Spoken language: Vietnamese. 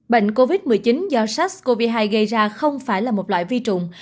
bệnh covid một mươi chín do sars cov hai gây ra không phải là một loại vi trùng